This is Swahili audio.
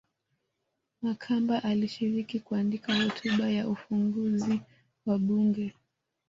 Makamba alishiriki kuandika hotuba ya ufunguzi wa bunge